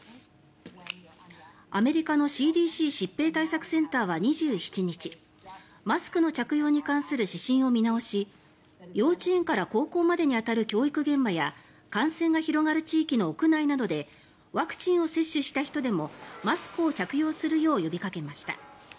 アメリカのＣＤＣ・疾病対策センターは２７日マスクの着用に関する指針を見直し幼稚園から高校までに当たる教育現場や感染が広がる地域の屋内などでワクチンを接種した人でもマスクを着用するよう呼びかけました。